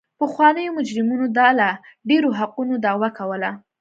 پخوانیو مجرمینو د لا ډېرو حقونو دعوه کوله.